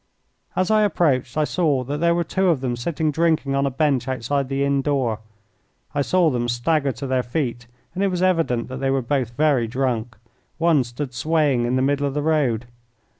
As I approached I saw that there were two of them sitting drinking on a bench outside the inn door. I saw them stagger to their feet, and it was evident that they were both very drunk. One stood swaying in the middle of the road.